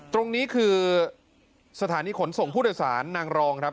ตรงนี้คือสถานีขนส่งผู้โดยสารนางรองครับ